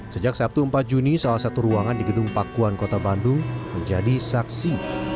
sejak sabtu empat juni salah satu ruangan di gedung pakuan kota bandung menjadi saksi